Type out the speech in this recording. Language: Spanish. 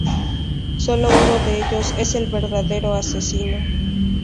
Solo uno de ellos es el verdadero asesino.